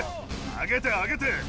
上げて上げて！